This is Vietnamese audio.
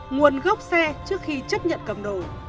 nguồn gốc xe trước khi chấp nhận cầm đồ